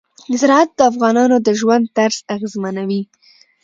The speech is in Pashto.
زراعت د افغانانو د ژوند طرز اغېزمنوي.